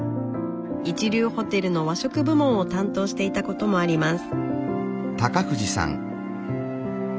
一流ホテルの和食部門を担当していたこともあります。